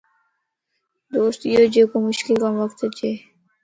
دوست ايو جيڪو مشڪل وقتم ڪم اچي